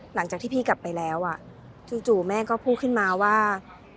หลังจากที่พี่กลับไปแล้วจู่แม่ก็พูดขึ้นมาว่า